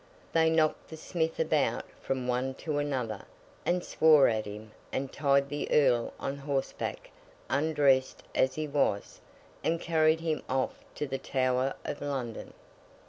They knocked the Smith about from one to another, and swore at him, and tied the Earl on horseback, undressed as he was, and carried him off to the Tower of London.